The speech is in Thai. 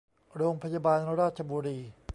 โรงพยาบาลราชบุรี